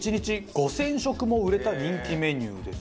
１日５０００食も売れた人気メニューです。